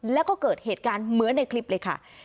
แล้วก็เกิดเหตุการณ์เหมือนในคลิปเลยค่ะ